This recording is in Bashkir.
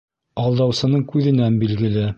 Алдаусының күҙенән билгеле.